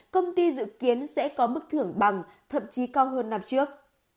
công ty dự kiến sẽ có mức thưởng bằng thậm chí cao hơn năm trước